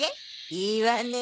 いいわねー。